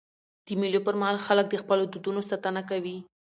د مېلو پر مهال خلک د خپلو دودونو ساتنه کوي.